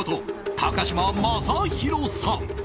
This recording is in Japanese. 高嶋政宏さん。